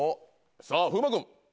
さぁ風磨君。